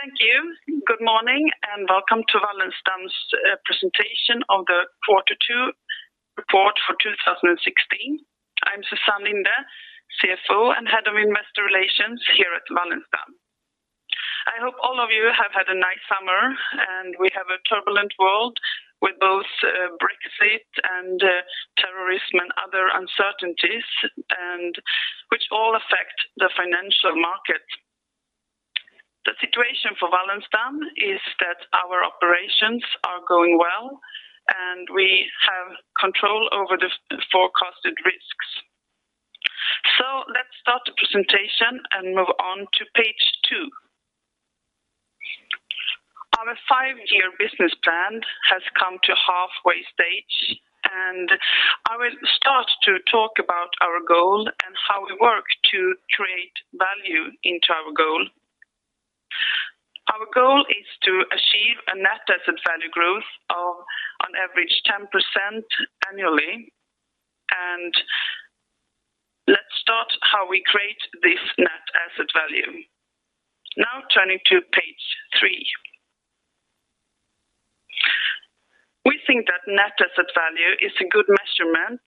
Thank you. Good morning, and welcome to Wallenstam's presentation of the Q2 report for 2016. I'm Susann Linde, CFO and Head of Investor Relations here at Wallenstam. I hope all of you have had a nice summer, and we have a turbulent world with both Brexit and terrorism and other uncertainties and which all affect the financial market. The situation for Wallenstam is that our operations are going well, and we have control over the forecasted risks. Let's start the presentation and move on to page two. Our five-year business plan has come to halfway stage, and I will start to talk about our goal and how we work to create value into our goal. Our goal is to achieve a net asset value growth of on average 10% annually. Let's start how we create this net asset value. Turning to page three. We think that net asset value is a good measurement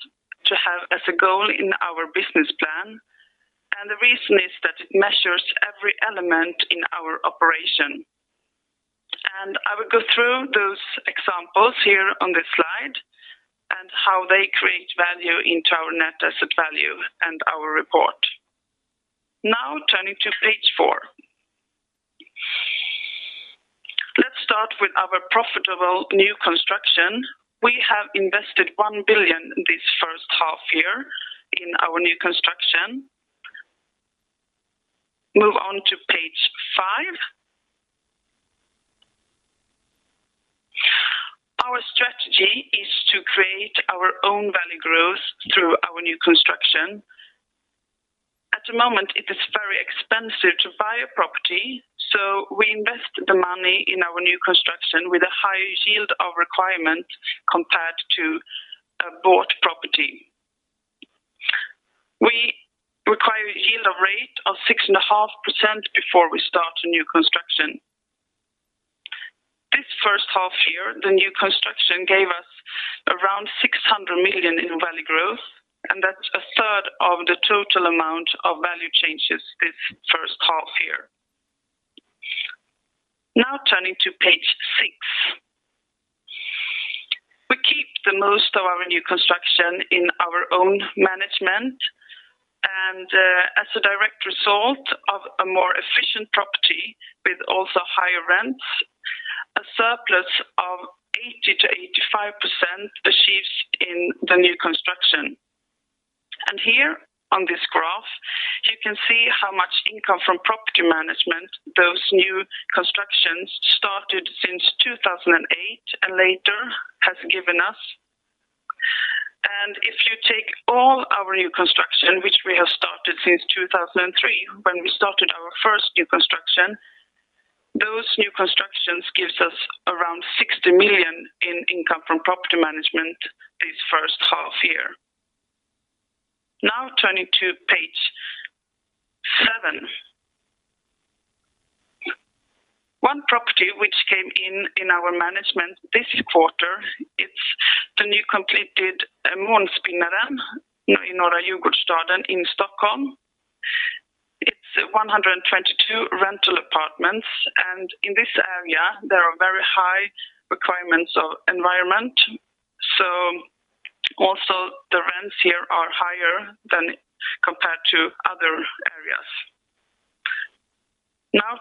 to have as a goal in our business plan. The reason is that it measures every element in our operation. I will go through those examples here on this slide and how they create value into our net asset value and our report. Turning to page four. Let's start with our profitable new construction. We have invested 1 billion this first half year in our new construction. Move on to page five. Our strategy is to create our own value growth through our new construction. At the moment, it is very expensive to buy a property. We invest the money in our new construction with a high yield of requirement compared to a bought property. We require a yield of rate of 6.5% before we start a new construction. This first half year, the new construction gave us around 600 million in value growth, and that's a third of the total amount of value changes this first half year. Now turning to page six. We keep the most of our new construction in our own management. As a direct result of a more efficient property with also higher rents, a surplus of 80%-85% achieves in the new construction. Here on this graph, you can see how much income from property management those new constructions started since 2008 and later has given us. If you take all our new construction, which we have started since 2003 when we started our first new construction, those new constructions gives us around 60 million in income from property management this first half year. Turning to page seven. One property which came in in our management this quarter, it's the new completed Månspinnaren i Norra Djurgårdsstaden in Stockholm. It's 122 rental apartments, and in this area, there are very high requirements of environment. Also the rents here are higher than compared to other areas.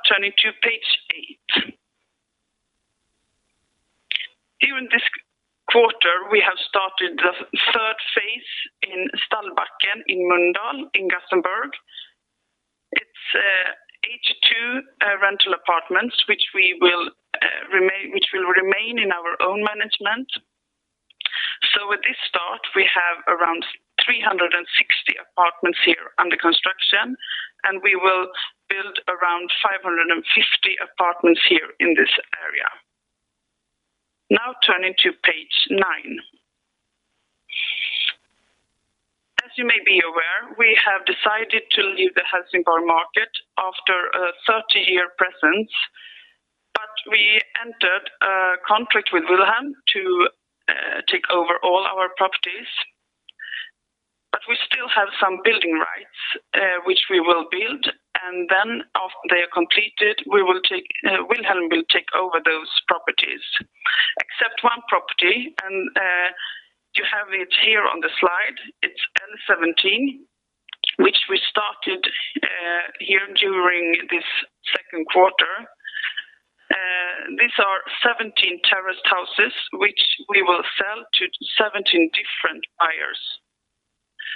Turning to page eight. Here in this quarter, we have started the third phase in Stallbacken in Mölndal in Gothenburg. It's 82 rental apartments which will remain in our own management. With this start, we have around 360 apartments here under construction, and we will build around 550 apartments here in this area. Turning to page nine. As you may be aware, we have decided to leave the Helsingborg market after a 30-year presence, but we entered a contract with Willhem to take over all our properties. We still have some building rights, which we will build, and then they are completed, Willhem will take over those properties. Except one property, and you have it here on the slide. It's L17, which we started here during this second quarter. These are 17 terraced houses which we will sell to 17 different buyers,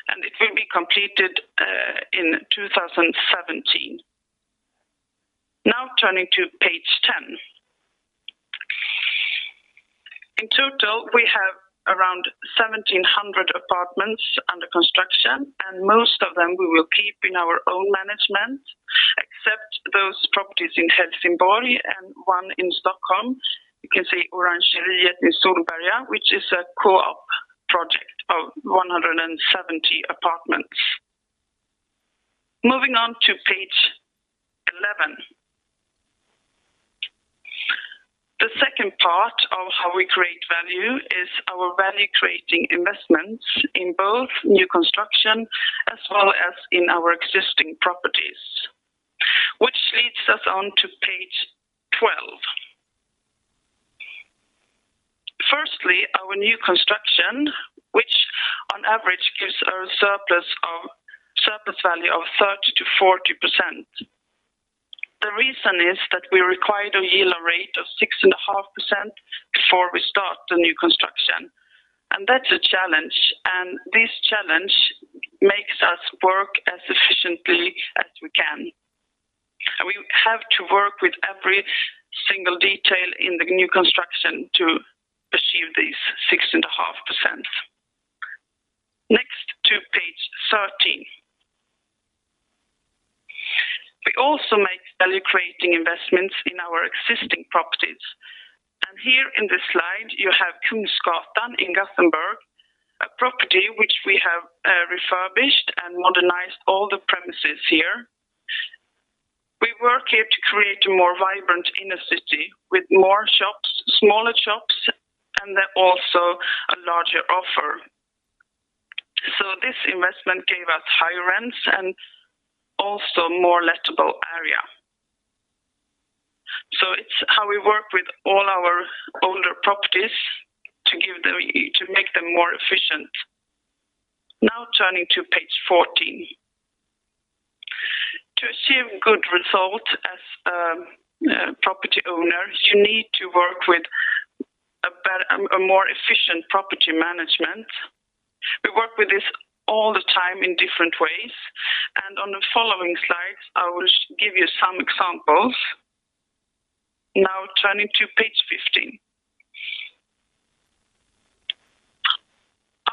and it will be completed in 2017. Turning to page 10. In total, we have around 1,700 apartments under construction, and most of them we will keep in our own management, except those properties in Helsingborg and one in Stockholm. You can see Orangeriet in Solberga, which is a co-op project of 170 apartments. Moving on to page 11. The second part of how we create value is our value-creating investments in both new construction as well as in our existing properties, which leads us on to page 12. Firstly, our new construction, which on average gives a surplus value of 30%-40%. The reason is that we require the yield rate of 6.5% before we start the new construction. That's a challenge, and this challenge makes us work as efficiently as we can. We have to work with every single detail in the new construction to achieve these 6.5%. Next to page 13. We also make value-creating investments in our existing properties. Here in this slide, you have Kungsgatan in Gothenburg, a property which we have refurbished and modernized all the premises here. We work here to create a more vibrant inner city with more shops, smaller shops, and then also a larger offer. This investment gave us high rents and also more lettable area. It's how we work with all our older properties to make them more efficient. Now turning to page 14. To achieve good result as property owners, you need to work with a more efficient property management. We work with this all the time in different ways. On the following slides, I will give you some examples. Turning to page 15.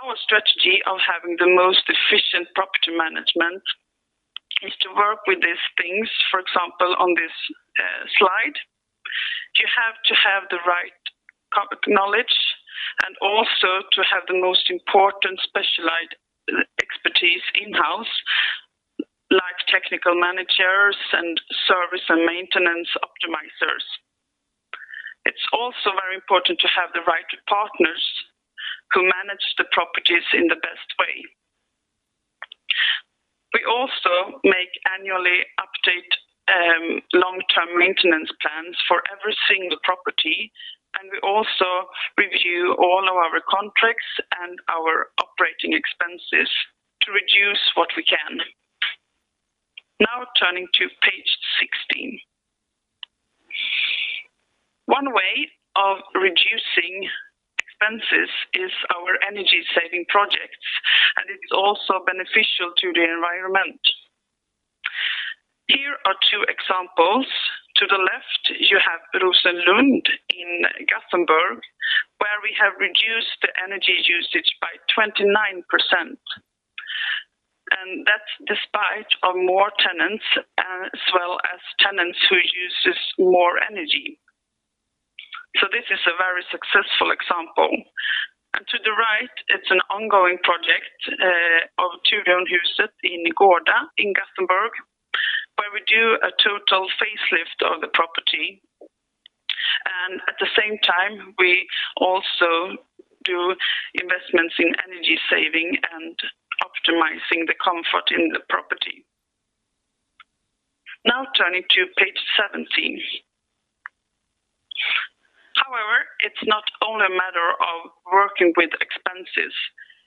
Our strategy of having the most efficient property management is to work with these things. For example, on this slide, you have to have the right knowledge and also to have the most important specialized expertise in-house, like technical managers and service and maintenance optimizers. It's also very important to have the right partners who manage the properties in the best way. We also make annually update long-term maintenance plans for every single property. We also review all of our contracts and our operating expenses to reduce what we can. Turning to page 16. One way of reducing expenses is our energy-saving projects. It's also beneficial to the environment. Here are two examples. To the left, you have Rosenlund in Gothenburg, where we have reduced the energy usage by 29%, and that's despite of more tenants, as well as tenants who uses more energy. This is a very successful example. To the right, it's an ongoing project, of Turionhuset in Gårda in Gothenburg, where we do a total facelift of the property. At the same time, we also do investments in energy saving and optimizing the comfort in the property. Turning to page 17. However, it's not only a matter of working with expenses.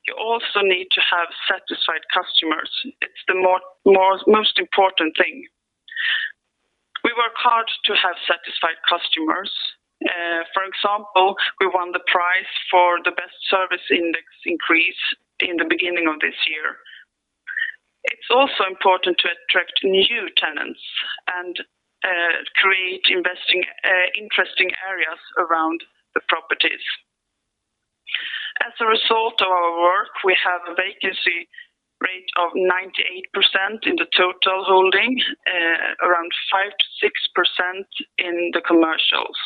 You also need to have satisfied customers. It's the most important thing. We work hard to have satisfied customers. For example, we won the prize for the best service index increase in the beginning of this year. It's also important to attract new tenants and create interesting areas around the properties. As a result of our work, we have a vacancy rate of 98% in the total holding, around 5%-6% in the commercials.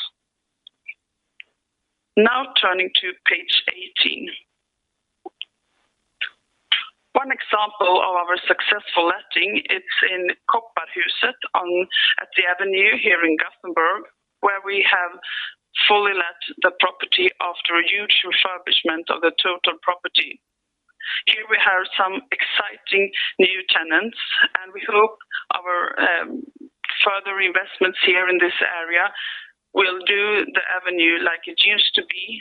Turning to page 18. One example of our successful letting, it's in Kopparhuset at the Avenyn here in Gothenburg, where we have fully let the property after a huge refurbishment of the total property. Here we have some exciting new tenants, we hope our further investments here in this area will do the Avenyn like it used to be,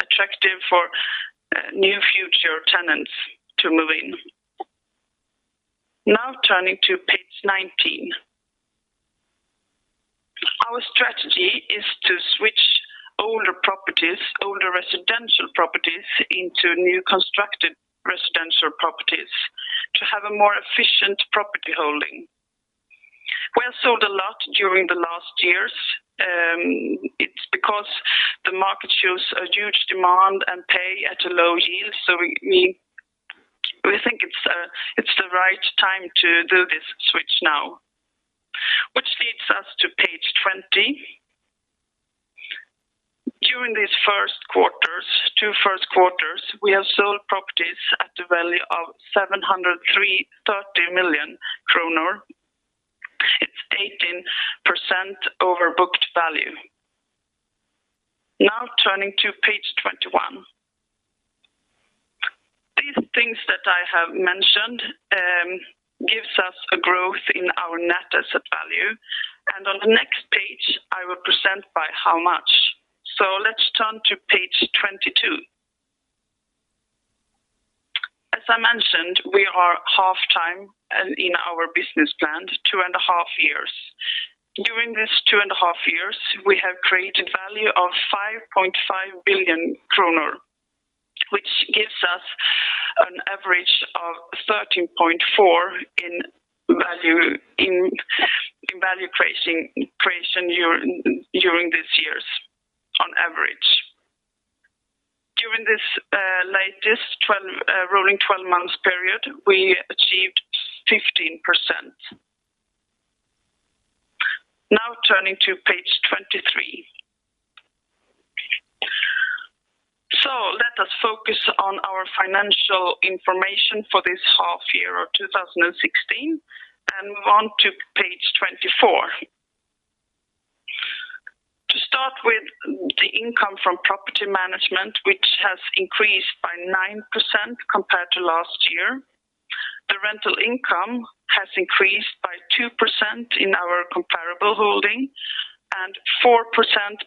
attractive for new future tenants to move in. Turning to page 19. Our strategy is to switch older properties, older residential properties into new constructed residential properties to have a more efficient property holding. We have sold a lot during the last years. It's time to do this switch now. Leads us to page 20. During two first quarters, we have sold properties at the value of 730 million kronor. It's 18% over booked value. Turning to page 21. These things that I have mentioned gives us a growth in our net asset value. On the next page, I will present by how much. Let's turn to page 22. As I mentioned, we are half time in our business plan, two and a half years. During this 2.5 years, we have created value of 5.5 billion kronor, which gives us an average of 13.4% in value creating creation during these years on average. During this latest 12 rolling 12 months period, we achieved 15%. Now, turning to page 23. Let us focus on our financial information for this half year of 2016, and move on to page 24. To start with the Income from property management, which has increased by 9% compared to last year. The rental income has increased by 2% in our comparable holding and 4%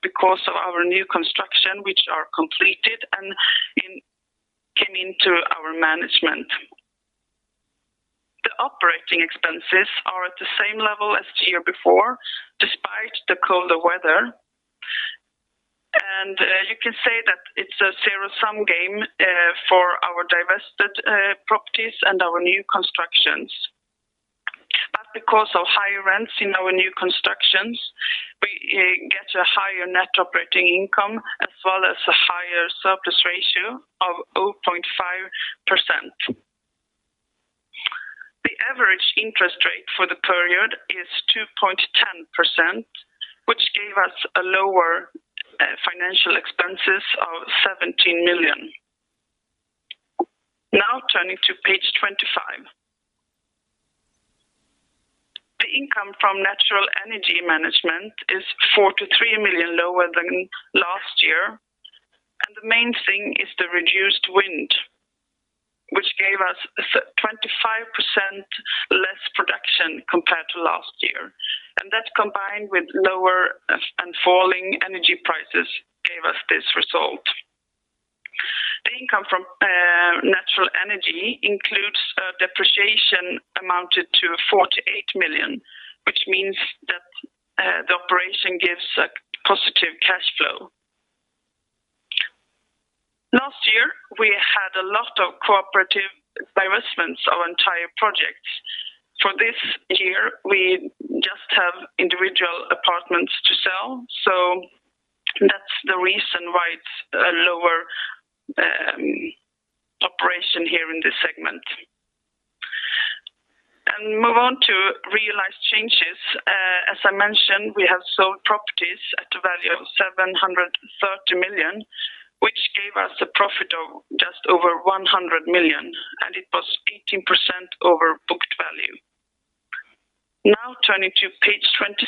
because of our new construction, which are completed and came into our management. The operating expenses are at the same level as the year before, despite the colder weather. You can say that it's a zero-sum game for our divested properties and our new constructions. Because of higher rents in our new constructions, we get a higher net operating income as well as a higher surplus ratio of 0.5%. The average interest rate for the period is 2.10%, which gave us a lower financial expenses of 17 million. Now, turning to page 25. The income from natural energy management is 43 million lower than last year. The main thing is the reduced wind, which gave us 25% less production compared to last year. That combined with lower and falling energy prices gave us this result. The income from natural energy includes a depreciation amounted to 48 million, which means that the operation gives a positive cash flow. Last year, we had a lot of cooperative divestments of entire projects. This year, we just have individual apartments to sell. That's the reason why it's a lower operation here in this segment. Move on to realized changes. As I mentioned, we have sold properties at a value of 730 million, which gave us a profit of just over 100 million, and it was 18% over booked value. Turning to page 26.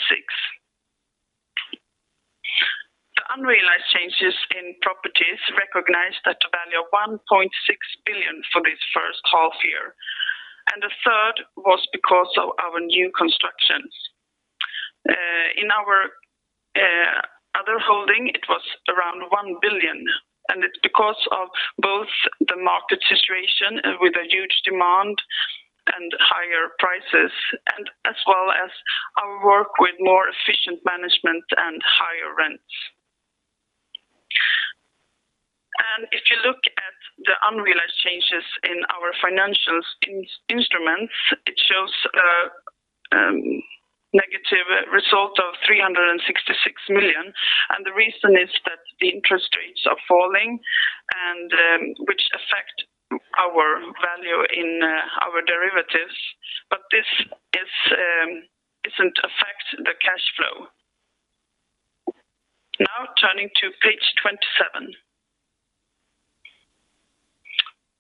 The unrealized changes in properties recognized at a value of 1.6 billion for this first half year, and the third was because of our new constructions. In our other holding, it was around 1 billion, and it's because of both the market situation with a huge demand and higher prices and as well as our work with more efficient management and higher rents. If you look at the unrealized changes in our financials instruments, it shows a negative result of 366 million. The reason is that the interest rates are falling and which affect our value in our derivatives. This is doesn't affect the cash flow. Turning to page 27.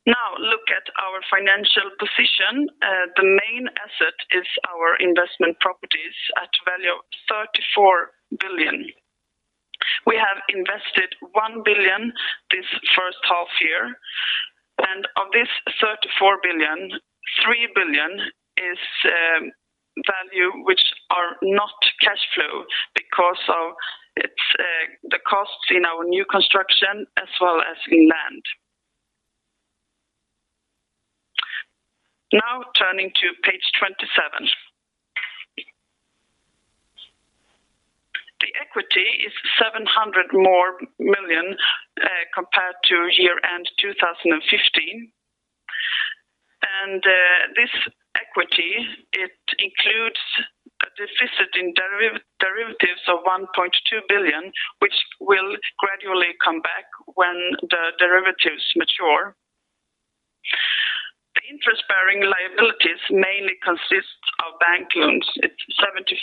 Look at our financial position. The main asset is our investment properties at a value of 34 billion. We have invested 1 billion this first half year. Of this 34 billion, 3 billion is value which are not cash flow because of its the costs in our new construction as well as in land. Turning to page 27. The equity is 700 million more compared to year-end 2015. This equity, it includes Deficit in derivatives of 1.2 billion, which will gradually come back when the derivatives mature. The interest-bearing liabilities mainly consists of bank loans. It's 75%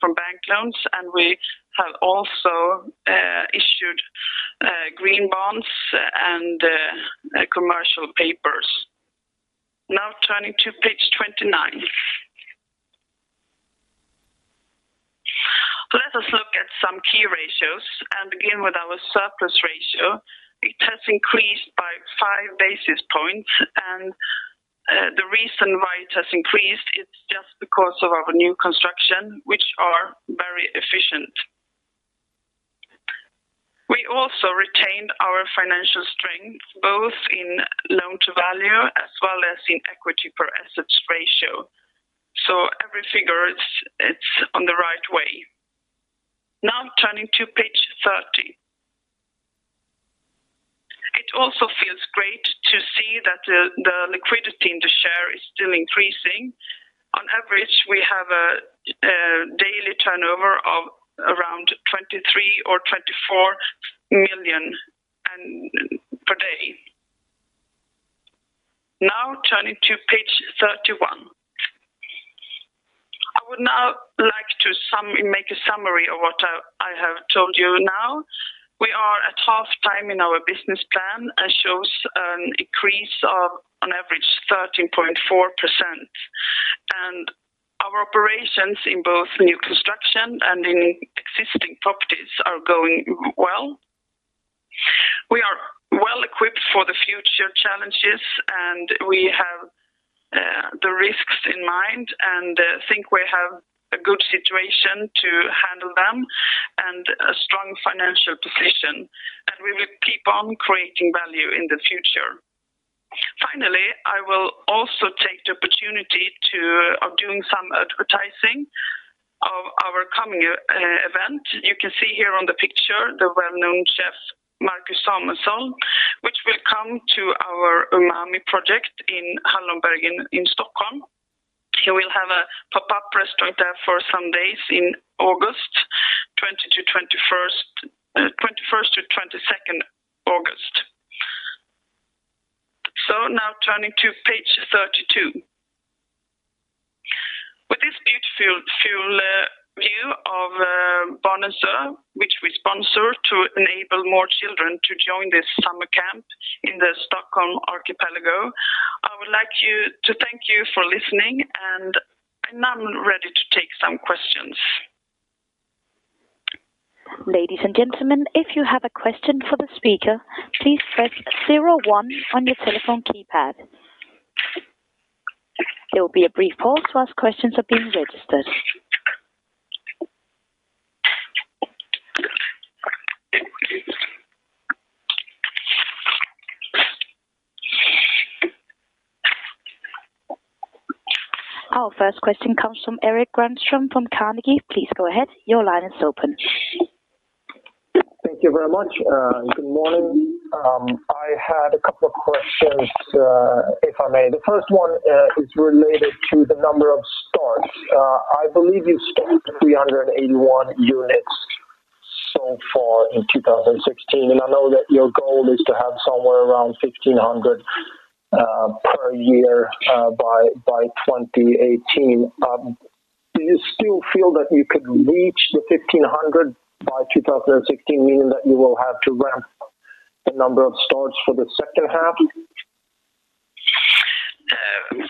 from bank loans, we have also issued green bonds and commercial papers. Turning to page 29. Let us look at some key ratios and begin with our surplus ratio. It has increased by 5 basis points, the reason why it has increased, it's just because of our new construction, which are very efficient. We also retained our financial strength, both in loan-to-value as well as in equity to asset ratio. Every figure is on the right way. Turning to page 30. It also feels great to see that the liquidity in the share is still increasing. On average, we have a daily turnover of around 23 million or 24 million and per day. Turning to page 31. I would now like to make a summary of what I have told you now. We are at halftime in our business plan shows an increase of on average 13.4%. Our operations in both new construction and in existing properties are going well. We are well equipped for the future challenges, and we have the risks in mind and think we have a good situation to handle them and a strong financial position. We will keep on creating value in the future. Finally, I will also take the opportunity to of doing some advertising of our coming event. You can see here on the picture the well-known chef Marcus Samuelsson, which will come to our Umami project in Hallonbergen in Stockholm. He will have a pop-up restaurant there for some days in August, 21st to 22nd August. Now turning to page 32. With this beautiful view of Barnens Ö, which we sponsor to enable more children to join this summer camp in the Stockholm archipelago. I would like to thank you for listening, and I'm now ready to take some questions. Ladies and gentlemen, if you have a question for the speaker, please press zero one on your telephone keypad. There will be a brief pause while questions are being registered. Our first question comes from Erik Granström from Carnegie. Please go ahead. Your line is open. Thank you very much. Good morning. I had a couple of questions, if I may. The first one, is related to the number of starts. I believe you started 381 units so far in 2016. I know that your goal is to have somewhere around 1,500, per year, by 2018. Do you still feel that you could reach the 1,500 by 2016, meaning that you will have to ramp the number of starts for the second half?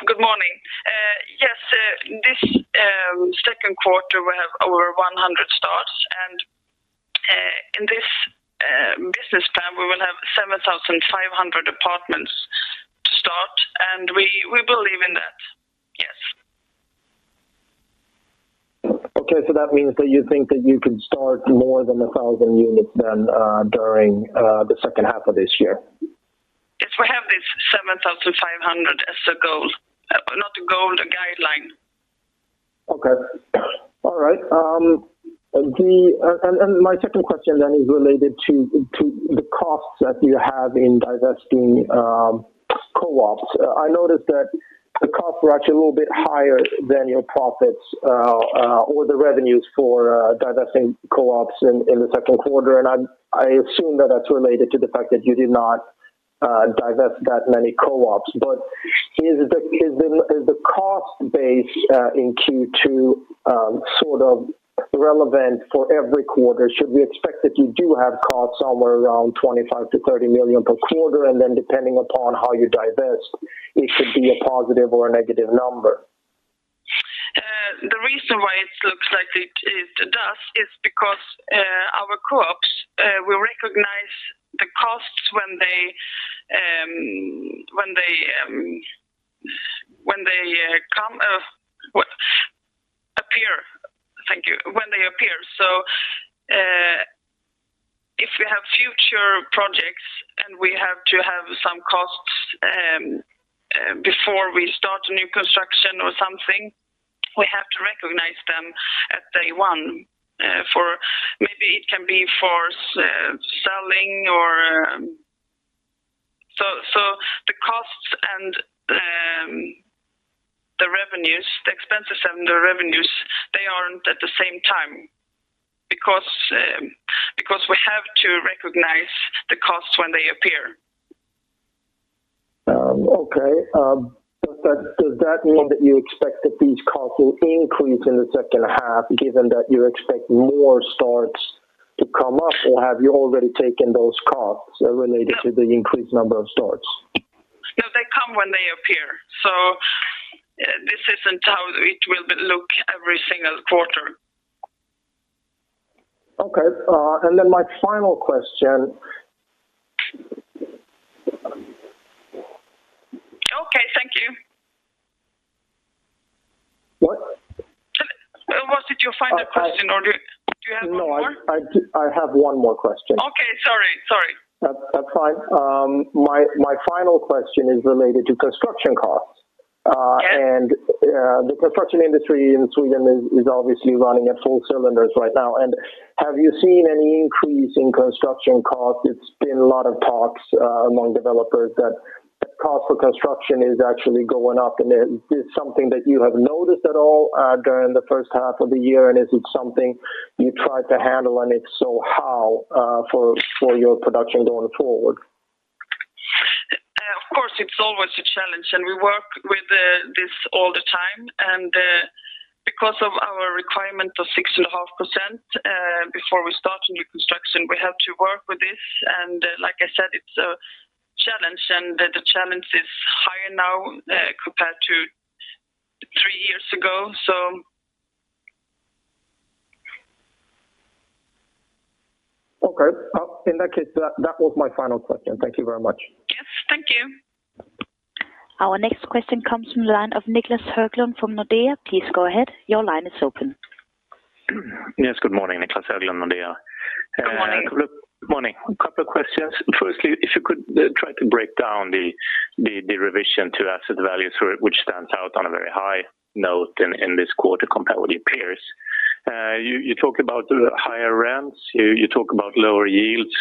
Good morning. Yes. This Q2, we have over 100 starts. In this business plan, we will have 7,500 apartments to start, and we believe in that. Yes. Okay. That means that you think that you can start more than 1,000 units then, during the second half of this year. Yes. We have this 7,500 as a goal. Not a goal, a guideline. Okay. All right. My second question then is related to the costs that you have in divesting co-ops. I noticed that the costs were actually a little bit higher than your profits or the revenues for divesting co-ops in the Q2. I assume that that's related to the fact that you did not divest that many co-ops. Is the cost base in Q2 sort of relevant for every quarter? Should we expect that you do have costs somewhere around 25 million-30 million per quarter, and then depending upon how you divest, it should be a positive or a negative number? The reason why it looks like it does is because our co-ops, we recognize the costs when they, what? Appear. Thank you. When they appear. If we have future projects and we have to have some costs before we start a new construction or something, we have to recognize them at day one for maybe it can be for selling. The revenues, the expenses and the revenues, they aren't at the same time because we have to recognize the costs when they appear. Okay. Does that mean that you expect that these costs will increase in the second half given that you expect more starts to come up, or have you already taken those costs to the increased number of starts? No. They come when they appear. This isn't how it will look every single quarter. Okay. My final question. Okay, thank you. What? Did your final question or do you have one more? No, I have one more question. Okay. Sorry. That, that's fine. My final question is related to construction costs. Yes. The construction industry in Sweden is obviously running at full cylinders right now. Have you seen any increase in construction costs? It's been a lot of talks among developers that the cost for construction is actually going up and is something that you have noticed at all during the first half of the year and is it something you try to handle? If so, how for your production going forward? Of course, it's always a challenge and we work with this all the time. Because of our requirement of 6.5%, before we start a new construction, we have to work with this. Like I said, it's a challenge. The challenge is higher now, compared to three years ago, so. Okay. In that case, that was my final question. Thank you very much. Yes, thank you. Our next question comes from the line of Niclas Höglund from Nordea. Please go ahead. Your line is open. Yes, good morning, Niclas Höglund, Nordea. Good morning. Good morning. A couple of questions. Firstly, if you could try to break down the revision to asset values for which stands out on a very high note in this quarter compared with your peers. You talk about higher rents, you talk about lower yields,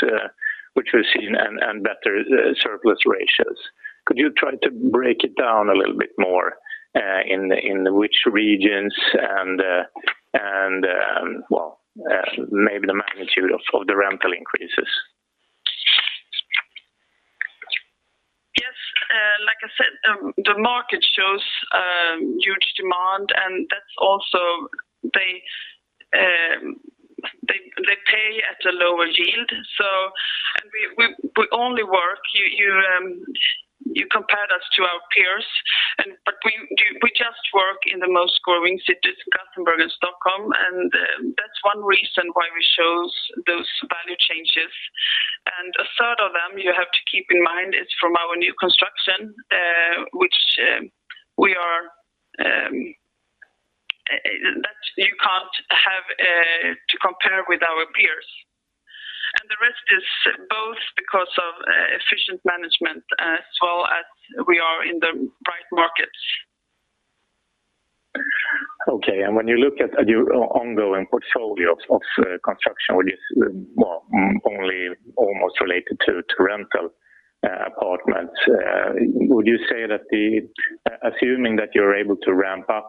which we've seen and better surplus ratios. Could you try to break it down a little bit more in which regions and, well, maybe the magnitude of the rental increases? Yes. Like I said, the market shows huge demand, they pay at a lower yield. We only work, you compared us to our peers, we just work in the most growing cities, Gothenburg and Stockholm, and that's one reason why we shows those value changes. 1/3 of them, you have to keep in mind, is from our new construction, which we are that you can't have to compare with our peers. The rest is both because of efficient management as well as we are in the right markets. Okay. When you look at your on-ongoing portfolio of construction, which is, well, only almost related to rental apartments, would you say that assuming that you're able to ramp up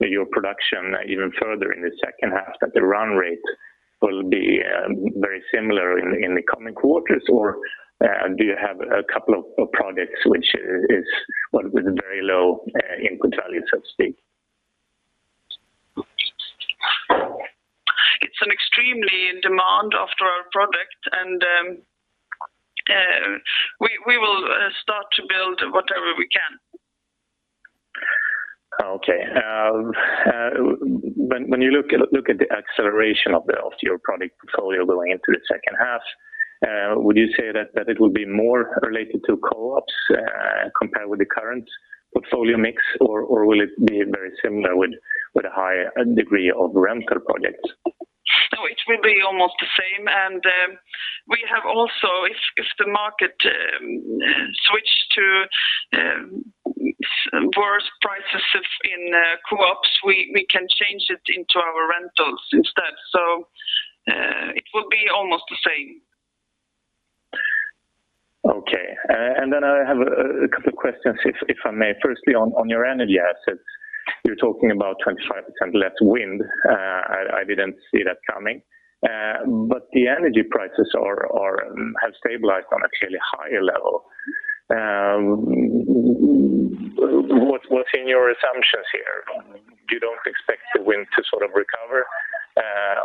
your production even further in the second half, that the run rate will be very similar in the coming quarters, or do you have a couple of projects which is, well, with very low input value, so to speak? It's an extremely in demand after our product and, we will start to build whatever we can. Okay. When you look at the acceleration of your product portfolio going into the second half, would you say that it would be more related to co-ops, compared with the current portfolio mix or will it be very similar with a high degree of rental projects? No, it will be almost the same. We have also if the market switch to worse prices of in co-ops, we can change it into our rentals instead. It will be almost the same. Okay. Then I have a couple of questions, if I may. Firstly, on your energy assets, you're talking about 25% less wind. I didn't see that coming. The energy prices have stabilized on a clearly higher level. What's in your assumptions here? You don't expect the wind to sort of recover,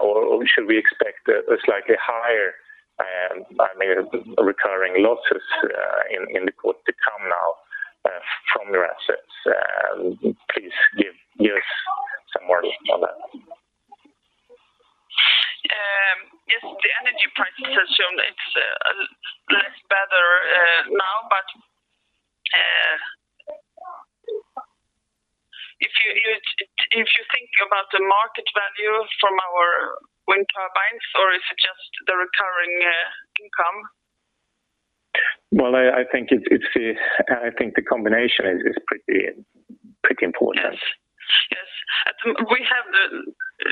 or should we expect a slightly higher recurring losses in the quarter to come now from your assets? Please give us some more on that. Yes, the energy prices assume it's less better now. If you think about the market value from our wind turbines or is it just the recurring income? I think it's I think the combination is pretty important. Yes. We have,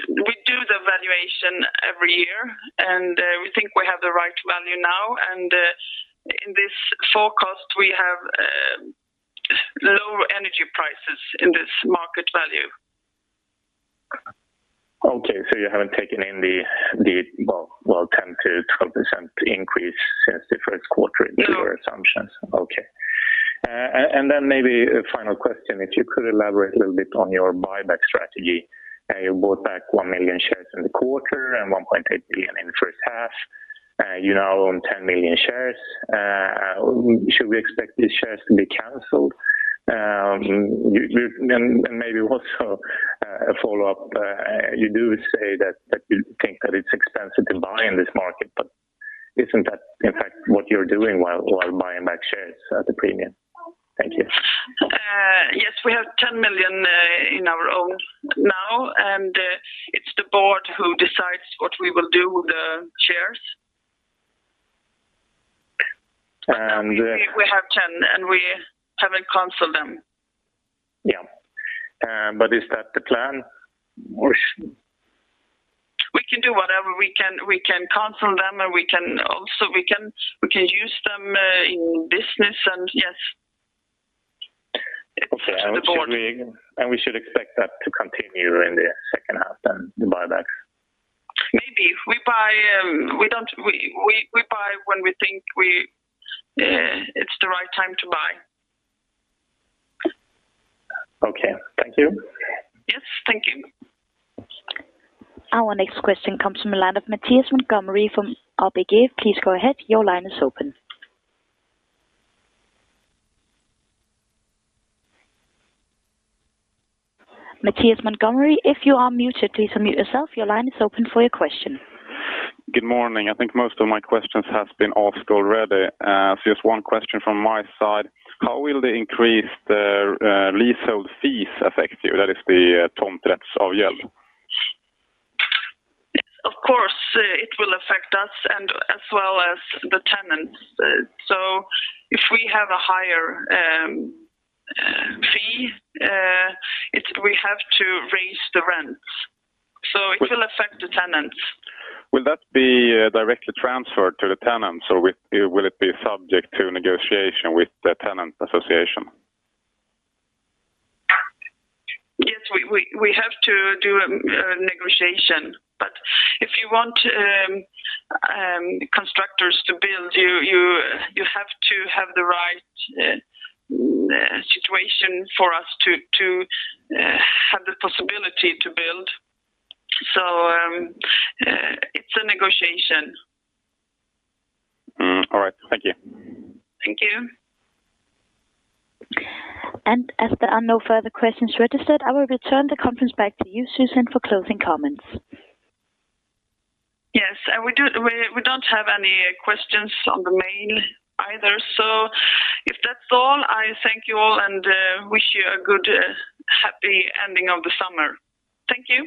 we do evaluation every year, and we think we have the right value now. In this forecast, we have low energy prices in this market value. Okay. you haven't taken well, 10%-12% increase since the Q1 in your assumptions. No. Okay. Maybe a final question. If you could elaborate a little bit on your buyback strategy. You bought back 1 million shares in the quarter and 1.8 billion in the first half. You now own 10 million shares. Should we expect these shares to be canceled? You maybe also a follow-up. You do say that you think that it's expensive to buy in this market, but isn't that in fact what you're doing while buying back shares at a premium? Thank you. Yes, we have 10 million in our own now, and it's the board who decides what we will do with the shares. We have 10 million, and we haven't canceled them. Yeah. Is that the plan or? We can do whatever. We can cancel them, and we can also use them in business, and yes. Okay. It's the board. We should expect that to continue in the second half then, the buybacks. Maybe. We buy when we think it's the right time to buy. Okay. Thank you. Yes. Thank you. Our next question comes from the line of Mattias Montgomery from ABG. Please go ahead. Your line is open. Mattias Montgomery, if you are muted, please unmute yourself. Your line is open for your question. Good morning. I think most of my questions has been asked already. Just one question from my side. How will the increased leasehold fees affect you? That is the tomträttsavgäld. Of course, it will affect us and as well as the tenants. If we have a higher fee, we have to raise the rents, so it will affect the tenants. Will that be directly transferred to the tenants, or will it be subject to negotiation with the tenant association? Yes. We have to do a negotiation. If you want constructors to build, you have to have the right situation for us to have the possibility to build. It's a negotiation. All right. Thank you. Thank you. As there are no further questions registered, I will return the conference back to you, Susann, for closing comments. Yes. We don't have any questions on the mail either. If that's all, I thank you all and wish you a good, happy ending of the summer. Thank you.